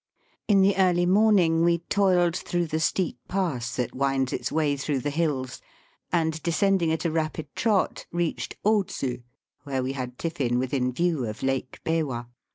In the early morn ing we toiled through the steep pass that winds its way through the hills, and descend ing at a rapid trot reached Otsu, where we had tiffin within view of Lake Beva.